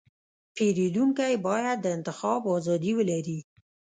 پیرودونکی باید د انتخاب ازادي ولري.